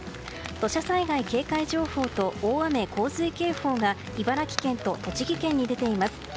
土砂災害警戒情報と大雨・洪水警報が茨城県と栃木県に出ています。